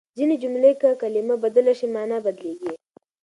ځينې جملې که کلمه بدله شي، مانا بدلېږي.